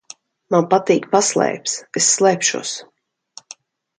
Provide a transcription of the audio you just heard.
Man patīk paslēpes. Es slēpšos.